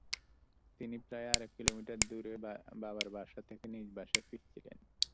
তিনি প্রায় আড়াই কিলোমিটার দূরে বাবার বাসা থেকে নিজের বাসায় ফিরছিলেন।